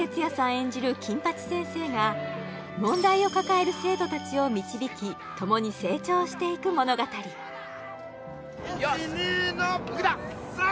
演じる金八先生が問題を抱える生徒達を導きともに成長していく物語・イチニのサン！